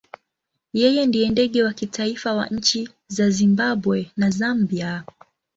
Yeye ndiye ndege wa kitaifa wa nchi za Zimbabwe na Zambia.